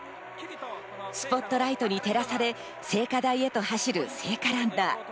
スポットライトに照らされ、聖火台を走る聖火ランナー。